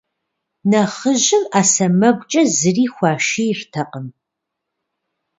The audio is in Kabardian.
Нэхъыжьым Ӏэ сэмэгукӀэ зыри хуашийртэкъым.